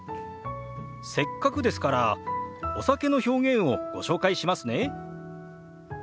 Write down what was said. せっかくですからお酒の表現をご紹介しますね。